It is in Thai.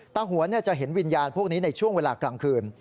หวนจะเห็นวิญญาณพวกนี้ในช่วงเวลากลางคืน